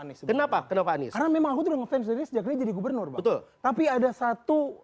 anies kenapa kenapa nih karena memang udah ngefans dari sejak jadi gubernur betul tapi ada satu